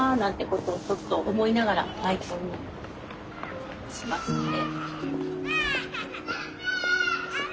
ことをちょっと思いながらアイコンにしましたね。